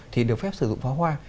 thì được phép sử dụng pháo hoa